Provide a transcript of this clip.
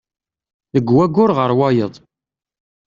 Deg wayyur ɣer wayeḍ.